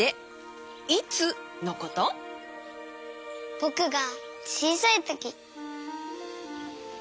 ぼくがちいさいとき。